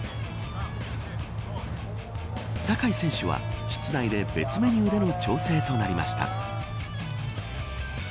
酒井選手は室内で別メニューでの調整となりました